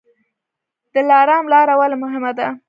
دلارام لاره ولې مهمه ده؟